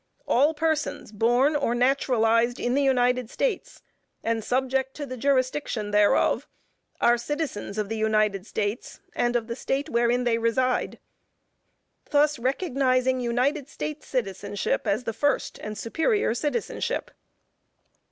"All persons born or naturalized in the United States, and subject to the jurisdiction thereof, are citizens of the United States and of the State wherein they reside," thus recognizing United States citizenship as the first and superior citizenship.